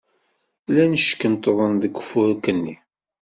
Llan ckunṭḍen deg ufurk-nni.